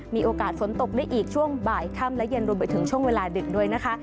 มีโอกาสฝนตกได้อีกช่วงบ่ายค่ำและเย็นรวมไปถึงช่วงเวลาดึกด้วยนะคะ